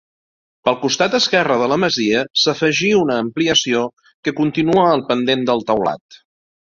Pel costat esquerre de la masia s'afegí una ampliació que continua el pendent del teulat.